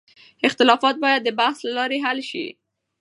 اختلافات باید د بحث له لارې حل شي.